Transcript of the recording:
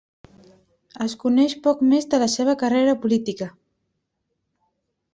Es coneix poc més de la seva carrera política.